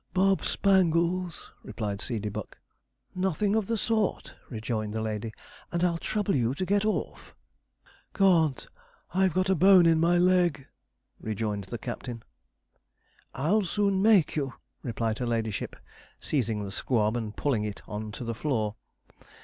'Bob Spangles,' replied Seedeybuck. 'Nothing of the sort,' rejoined the lady; 'and I'll trouble you to get off.' 'Can't I've got a bone in my leg,' rejoined the captain. 'I'll soon make you,' replied her ladyship, seizing the squab, and pulling it on to the floor.